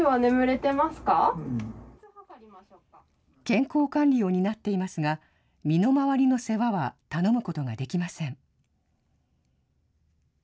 健康管理を担っていますが、身の回りの世話は頼むことができません。